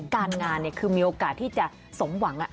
การงานคือมีโอกาสที่จะสมหวัง